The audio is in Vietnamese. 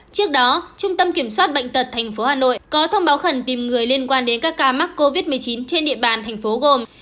trước đó trung tâm kiểm soát bệnh tật tp hà nội có thông báo khẩn tìm người liên quan đến các ca mắc covid một mươi chín trên địa bàn thành phố gồm